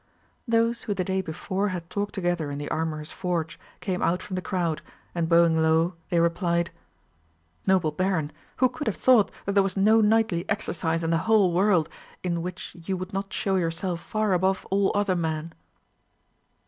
Those who the day before had talked together in the armourer's forge came out from the crowd, and bowing low, they replied, "Noble baron, who could have thought that there was no knightly exercise in the whole world in the which you would not show yourself far above all other men?"